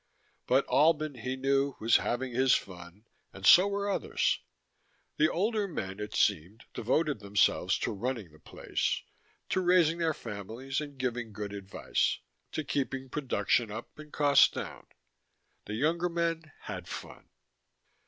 But Albin, he knew, was having his fun, and so were others. The older men, it seemed, devoted themselves to running the place, to raising their families and giving good advice, to keeping production up and costs down. The younger men had fun.